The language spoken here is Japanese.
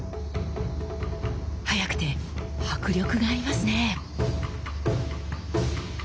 速くて迫力がありますね。